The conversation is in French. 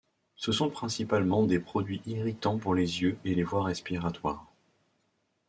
Ce sont principalement des produits irritants pour les yeux et les voies respiratoires.